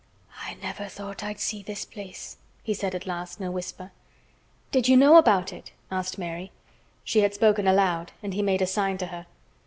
"I never thought I'd see this place," he said at last, in a whisper. "Did you know about it?" asked Mary. She had spoken aloud and he made a sign to her.